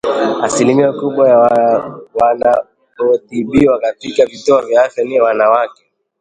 asilimia kubwa ya wanaotibiwa katika vituo vya afya ni wanawake